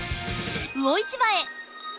魚市場へ！